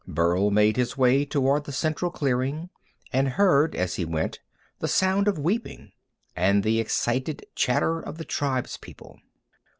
Burl made his way toward the central clearing, and heard as he went the sound of weeping, and the excited chatter of the tribes people.